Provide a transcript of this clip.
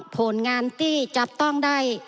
ผลงานที่จับต้องได้